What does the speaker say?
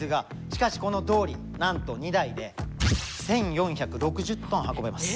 しかしこのドーリーなんと２台で１４６０ｔ運べます。